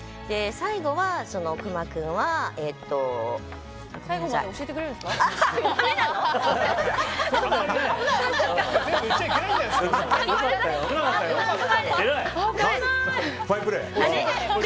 最後まで教えてくれるんですか？